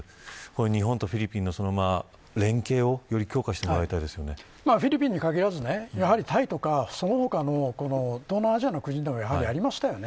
日本とフィリピンの連携をフィリピンに限らずタイとか、その他の東南アジアの国とかありましたよね。